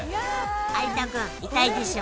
有田君痛いでしょ。